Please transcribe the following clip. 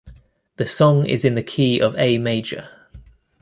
The song is in the key of A major.